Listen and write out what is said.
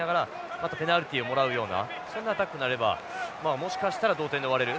またペナルティをもらうようなそんなアタックになればまあもしかしたら同点で終われる。